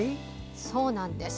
そうなんです。